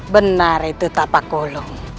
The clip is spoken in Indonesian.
benar itu tapak kolong